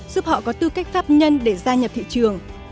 giúp họ có tư cách pháp nhân để gia nhập thị trường